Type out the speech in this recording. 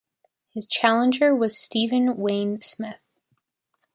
His challenger was Steven Wayne Smith.